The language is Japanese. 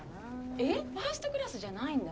えっファーストクラスじゃないんだ。